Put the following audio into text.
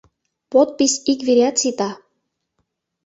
Подпись ик вереат сита.